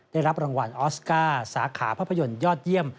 ได้รับรางวัลออสการ์สาขาภาพยนตร์ยอดเยี่ยม